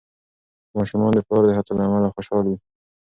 ماشومان د پلار د هڅو له امله خوشحال وي.